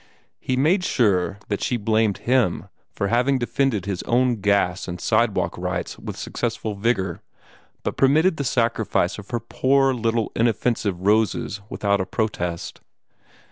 He made sure that she blamed him for having defended his own gas and sidewalk rights with successful vigor, but permitted the sacrifice of her poor little inoffensive roses without a protest.